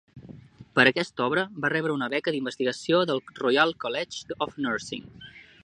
Per aquesta obra va rebre una beca d'investigació del Royal College of Nursing.